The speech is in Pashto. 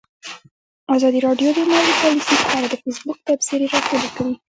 ازادي راډیو د مالي پالیسي په اړه د فیسبوک تبصرې راټولې کړي.